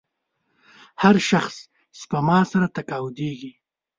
هر شخص سپما سره تقاعدېږي.